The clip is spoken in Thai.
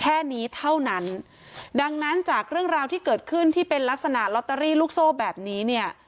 แค่นี้เท่านั้นดังนั้นจากเรื่องราวที่เกิดขึ้นที่เป็นลักษณะลอตเตอรี่ลูกโซ่แบบนี้เนี่ย